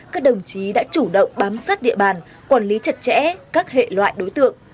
các đồng chí đã chủ động bám sát địa bàn quản lý chặt chẽ các hệ loại đối tượng